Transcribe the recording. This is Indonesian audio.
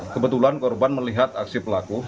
kebetulan korban melihat aksi pelaku